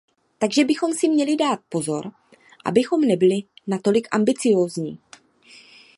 Takže bychom si měli dát pozor, abychom nebyli natolik ambiciózní.